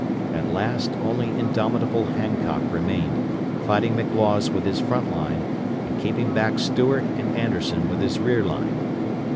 At last only indomitable Hancock remained, fighting McLaws with his front line, and keeping back Stuart and Anderson with his rear line.